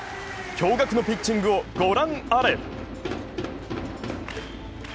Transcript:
驚がくのピッチングを御覧あれ！